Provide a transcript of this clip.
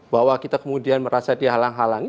bahwa kita kemudian merasa dihalang halangi